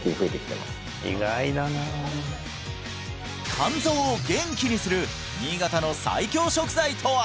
肝臓を元気にする新潟の最強食材とは？